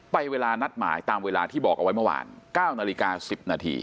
เวลานัดหมายตามเวลาที่บอกเอาไว้เมื่อวาน๙นาฬิกา๑๐นาที